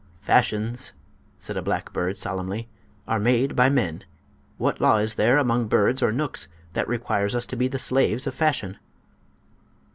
"Fashions," said a black bird, solemnly, "are made by men. What law is there, among birds or knooks, that requires us to be the slaves of fashion?"